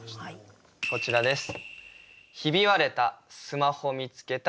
こちらです。